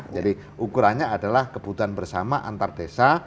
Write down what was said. jadi ukurannya adalah kebutuhan bersama antar desa